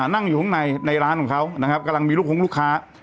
นั่งอยู่ข้างในในร้านของเขานะครับกำลังมีลูกคงลูกค้า